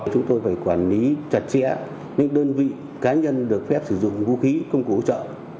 chúng tôi phải quản lý chặt chẽ những đơn vị cá nhân được phép sử dụng vũ khí công cụ hỗ trợ